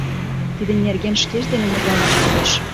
— Тидын нерген шкеж дене мутланаш кӱлеш.